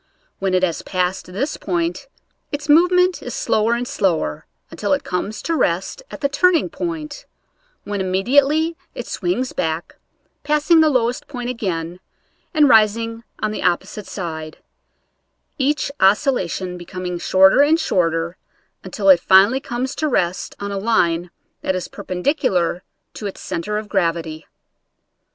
When it has passed this point its movement is slower and slower, until it comes to rest at the turning point, when immediately it swings back, passing the lowest point again and ris ing on the opposite side; each oscillation be coming shorter and shorter, until it finally comes to rest on a line that is perpendicular to its center of gravity.